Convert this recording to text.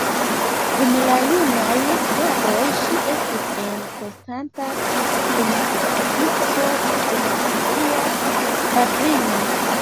Dum la junaj jaroj ŝi estis en konstanta konflikto kun sia patrino.